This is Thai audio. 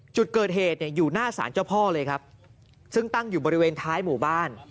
จุดเกิดเหตุเนี่ยอยู่หน้าสารเจ้าพ่อเลยครับซึ่งตั้งอยู่บริเวณท้ายหมู่บ้าน